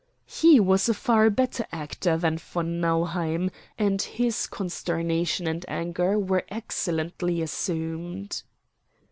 He was a far better actor than von Nauheim, and his consternation and anger were excellently assumed.